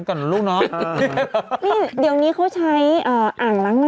การเงยกว่า